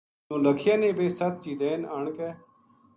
نولکھیا نے ویہ ست چیدین آن کے